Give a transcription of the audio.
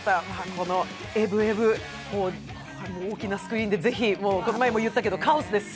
この「エブエブ」、大きなスクリーンで、この前も言ったけどカオスです。